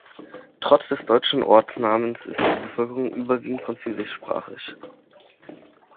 Trotz des deutschen Ortsnamens ist die Bevölkerung überwiegend französischsprachig.